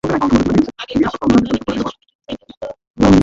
আগে হরতালে পুলিশের সঙ্গে যুদ্ধের মতো গণমারামারির দৃশ্য প্রচার করত টিভিগুলো।